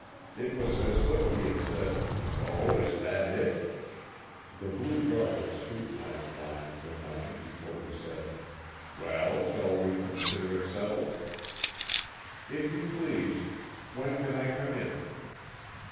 It was as though he had said, "Oh, is that it?" The blue goggles scrutinized Lyon for a moment before he said, "Well, shall we consider it settled?" "If you please. When can I come in?"